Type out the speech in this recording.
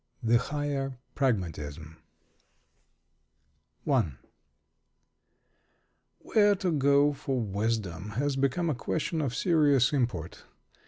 THE HIGHER PRAGMATISM I Where to go for wisdom has become a question of serious import.